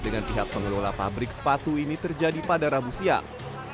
dengan pihak pengelola pabrik sepatu ini terjadi pada rabu siang